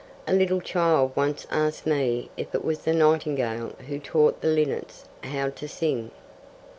A little child once asked me if it was the nightingale who taught the linnets how to sing.